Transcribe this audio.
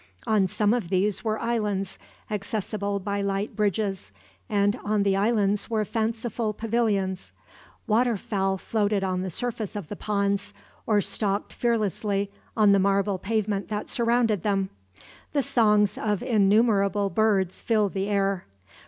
On some of these were islands accessible by light bridges, and on the islands were fanciful pavilions. Waterfowl floated on the surface of the ponds, or stalked fearlessly on the marble pavement that surrounded them. The songs of innumerable birds filled the air.